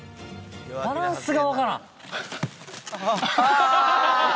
バランスが分からん。